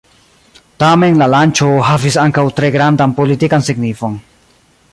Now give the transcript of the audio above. Tamen la lanĉo havis ankaŭ tre grandan politikan signifon.